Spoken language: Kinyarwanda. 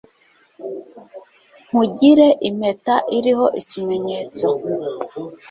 nkugire impeta iriho ikimenyetso